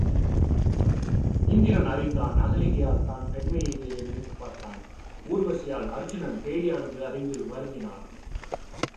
இந்திரன் அறிந்தான் அகலிகையால் தான் பெண்மை எய்தியதை நினைத்துப் பார்த்தான், ஊர்வசியால் அருச் சுனன் பேடியானது அறிந்து வருந்தினான்.